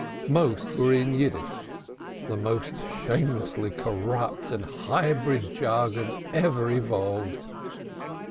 Many were in Yiddish, the most hopelessly corrupt and hybrid jargon ever evolved.